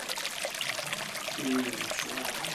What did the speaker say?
對面坐下了，